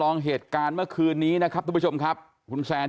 ขออนุญาตพี่พี่นักข่าวเลยนะครับขออนุญาต